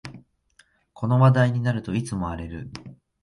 この話題になるといつも荒れる